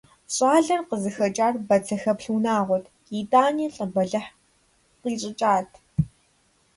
ЩӀалэр къызыхэкӀар бацэхэплъ унагъуэт, итӀани лӀы бэлыхъ къищӀыкӀат.